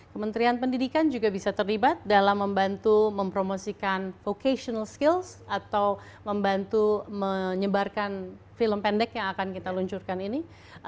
kementerian pendidikan juga bisa terlibat dalam membantu mempromosikan vocational skills atau membantu menyebarkan film pendek yang akan kita luncurkan ini